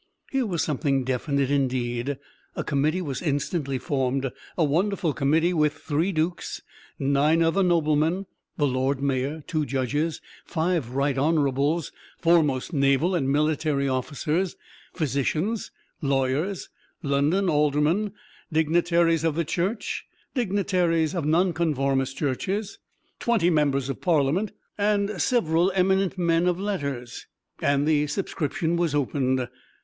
Here was something definite indeed. A committee was instantly formed a wonderful committee, with "three dukes, nine other noblemen, the Lord Mayor, two judges, five right honorables, foremost naval and military officers, physicians, lawyers, London aldermen, dignitaries of the Church, dignitaries of nonconformist churches, twenty members of Parliament, and several eminent men of letters"; and the subscription was opened.